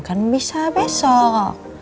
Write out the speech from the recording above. kan bisa besok